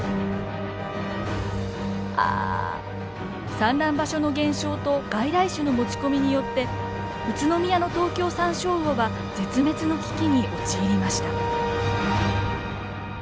産卵場所の減少と外来種の持ち込みによって宇都宮のトウキョウサンショウウオは絶滅の危機に陥りました。